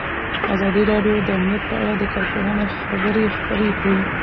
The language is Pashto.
ازادي راډیو د امنیت په اړه د کارپوهانو خبرې خپرې کړي.